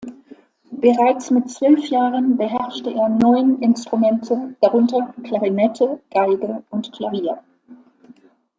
Bereits mit zwölf Jahren beherrschte er neun Instrumente, darunter Klarinette, Geige und Klavier.